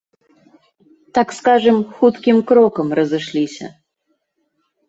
Так скажам, хуткім крокам разышліся.